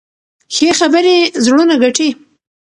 ښې خبرې زړونه ګټي.